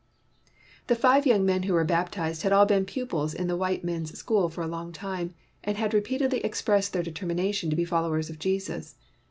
The five young men who were baptized had all been pupils in the white men's school for a long time, and had repeatedly expressed their determination to be follow ers of Jesus.